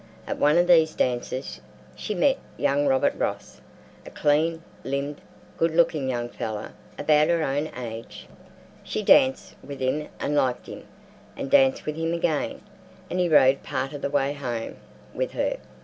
At one of these dances she met young Robert Ross, a clean limbed, good looking young fellow about her own age. She danced with him and liked him, and danced with him again, and he rode part of the way home with her.